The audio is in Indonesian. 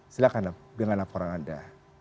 silahkan dengan laporan anda